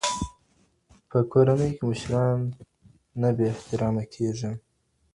په کورنۍ کي مشران نه بې احترامه کېږي.